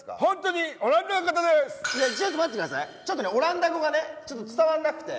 ちょっとねオランダ語がね伝わんなくて。